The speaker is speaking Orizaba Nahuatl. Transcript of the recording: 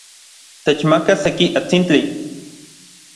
Techmaka seki atsintli.